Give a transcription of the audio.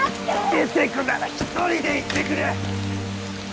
出てくなら１人で行ってくれ！